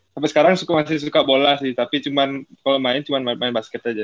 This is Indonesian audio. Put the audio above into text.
sampai sekarang masih suka bola sih tapi cuma kalau main cuma main main basket aja